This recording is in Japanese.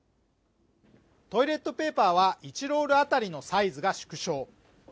トイレットペーパーは１ロールあたりのサイズが縮小